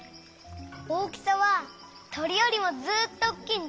大きさはとりよりもずっとおっきいんだ！